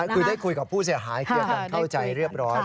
คือได้คุยกับผู้เสียหายเข้าใจเรียบร้อย